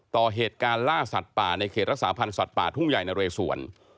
ต่อเหตุการณ์ล่าสัตว์ป่าในเขตรักษาพันธ์สัตว์ป่าทุ่งใหญ่นะเรสวน